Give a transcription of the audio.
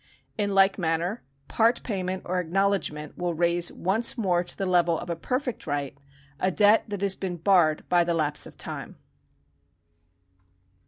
In like manner part payment or acknowledgment will raise once more to the level of a perfect right a debt that has been barred by the lapse of time.